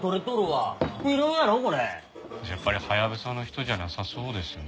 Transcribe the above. やっぱりハヤブサの人じゃなさそうですね。